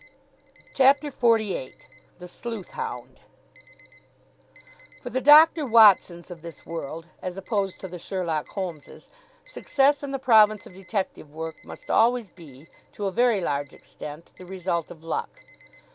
CHAPTER XLVIII THE SLEUTH HOUND For the Doctor Watsons of this world, as opposed to the Sherlock Holmeses, success in the province of detective work must always be, to a very large extent, the result of luck.